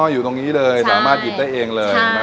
อยู่ตรงนี้เลยสามารถหยิบได้เองเลย